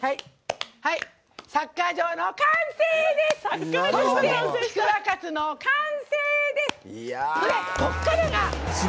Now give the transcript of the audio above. サッカー場の完成です！